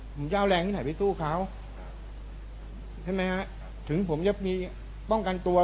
ผมจะเอาแรงที่ไหนไปสู้เขาใช่ไหมฮะถึงผมจะมีป้องกันตัว